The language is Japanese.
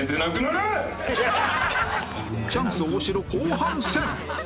チャンス大城後半戦